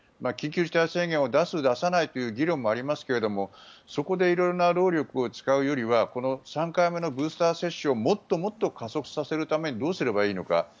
緊急事態宣言を出す、出さないという議論もありますがそこで色々な労力を使うよりはこの３回目のブースター接種をもっともっと加速させるためにどうすればいいのか。